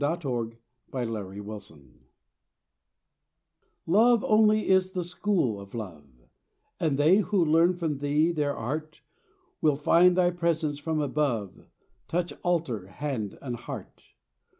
XLVIII "ADORA ET TACE" LOVE only is the school of love, And they who learn from Thee their art, Will find thy presence from above Touch altar, hand, and heart.